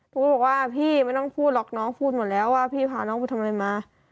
ก็บอกว่าพี่ไม่ต้องพูดหรอกน้องพูดหมดแล้วว่าพี่พาน้องไปทำอะไรมา